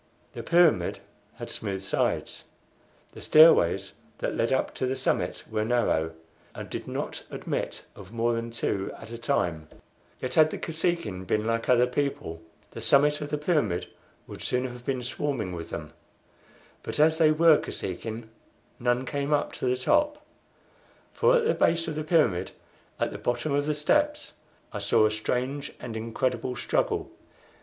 The pyramid had smooth sides. The stairways that led up to the summit were narrow, and did not admit of more than two at a time; yet, had the Kosekin been like other people, the summit of the pyramid would soon have been swarming with them; but as they were Kosekin, none came up to the top; for at the base of the pyramid, at the bottom of the steps, I saw a strange and incredible struggle.